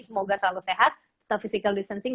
semoga selalu sehat atau physical distancing